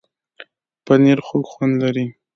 پنېر خوږ خوند لري.